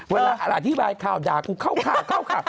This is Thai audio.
เวลาอธิบายข่าวด่ากูเข้าข่าว